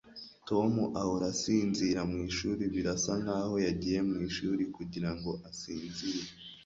Tom ahora asinzira mwishuri Birasa nkaho yagiye mwishuri kugirango asinzire